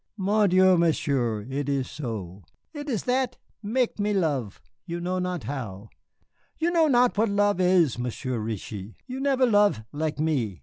"Mon Dieu, Monsieur, it is so. It is that mek me love you know not how. You know not what love is, Monsieur Reetchie, you never love laik me.